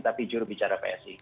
tapi juru bicara psi